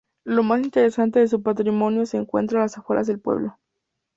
Lo más interesante de su patrimonio se encuentra a las afueras del pueblo.